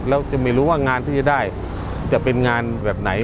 แล้วจะไม่รู้ว่างานที่จะได้จะเป็นงานแบบไหน